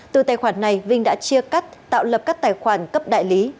từ tài khoản này vinh đã chia cắt tạo lập các tài khoản cấp đại lý